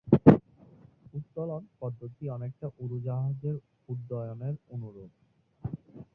উত্তোলন পদ্ধতি অনেকটা উড়োজাহাজের উড্ডয়নের অনুরূপ।